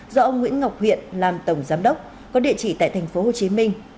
do ông nguyễn ngọc huyện làm tổng giám đốc có địa chỉ tại thành phố hồ chí minh